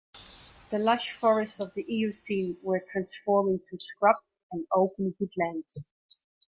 The lush forests of the Eocene were transforming to scrub and open woodland.